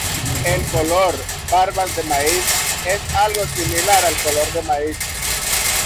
El color "barbas de maíz" es algo similar al color maíz.